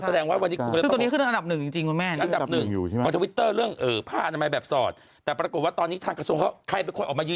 ซักแรงว่าวันนี้คุณจะต้องเคลื่อนก็ตัวนี้ขึ้นอันดับหนึ่งจริงคุณแม่